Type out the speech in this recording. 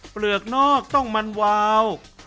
เปลือกนอกต้องมันวาว